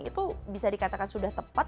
itu bisa dikatakan sudah tepat